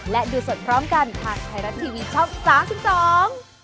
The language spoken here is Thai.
และดูสดพร้อมกันทางไทยรัฐทีวีช่อง๓๒